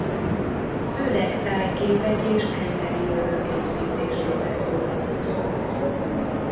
Főleg tájképek és enteriőrök készítésével foglalkozott.